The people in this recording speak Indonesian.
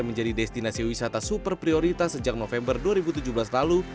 menjadi destinasi wisata super prioritas sejak november dua ribu tujuh belas lalu